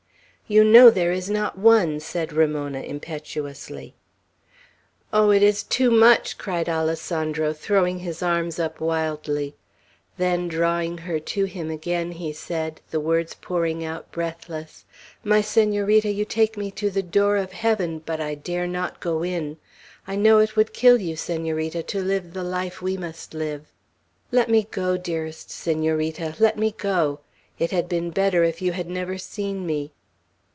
"You know there is not one!" said Ramona, impetuously. "Oh, it is too much!" cried Alessandro, throwing his arms up wildly. Then, drawing her to him again, he said, the words pouring out breathless: "My Senorita, you take me to the door of heaven, but I dare not go in. I know it would kill you, Senorita, to live the life we must live. Let me go, dearest Senorita; let me go! It had been better if you had never seen me."